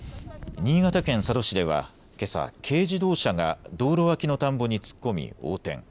新潟県佐渡市ではけさ軽自動車が道路脇の田んぼに突っ込み横転。